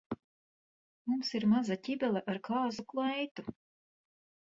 Mums ir maza ķibele ar kāzu kleitu.